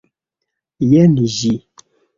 Jen ĝi!